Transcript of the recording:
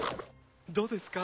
どうですか？